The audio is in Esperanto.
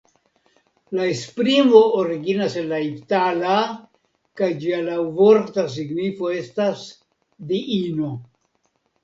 La esprimo originas en la itala kaj ĝia laŭvorta signifo estas "diino".